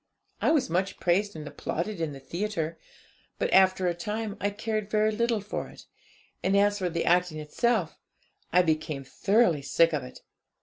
I was much praised and applauded in the theatre; but after a time I cared very little for it; and as for the acting itself, I became thoroughly sick of it.